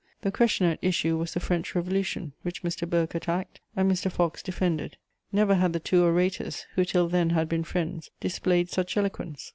The question at issue was the French Revolution, which Mr. Burke attacked and Mr. Fox defended. Never had the two orators, who till then had been friends, displayed such eloquence.